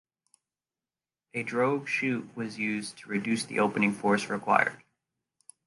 A drogue chute was used to reduce the opening force required.